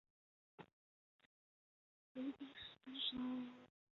他现在效力于意大利足球甲级联赛球队罗马足球俱乐部。